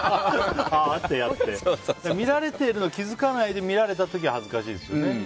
見られてるのに気付かないで見られた時は恥ずかしいですよね。